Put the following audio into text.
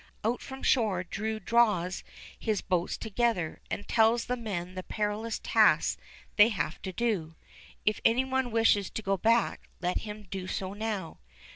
Out from shore Drew draws his boats together, and tells the men the perilous task they have to do: if any one wishes to go back let him do so now.